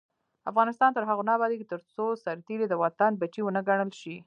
افغانستان تر هغو نه ابادیږي، ترڅو سرتیری د وطن بچی ونه ګڼل شي.